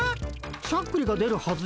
しゃっくりが出るはずじゃ。